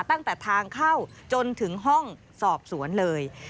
ตั้งแต่ทางเข้าจนถึงห้องสอบสวนเลย